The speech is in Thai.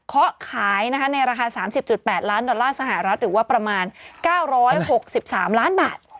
เขาขายในราคา๓๐๘ล้านดอลลาร์สหรัฐหรือว่าประมาณ๙๖๓ล้านบาท